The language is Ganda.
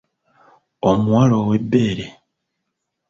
Omuwala ow'ebbeere.